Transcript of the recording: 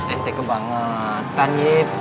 ente kebangetan yit